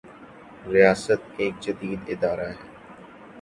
ریاست ایک جدید ادارہ ہے۔